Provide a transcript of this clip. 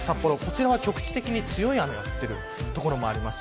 こちらは局地的に強い雨が降ることもあります。